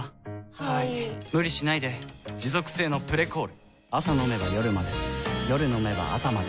はい・・・無理しないで持続性の「プレコール」朝飲めば夜まで夜飲めば朝まで